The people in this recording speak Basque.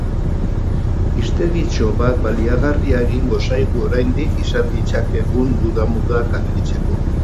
Hiztegitxo bat baliagarria egingo zaigu oraindik izan ditzakegun duda-mudak argitzeko.